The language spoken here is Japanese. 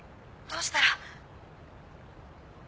どうしたら。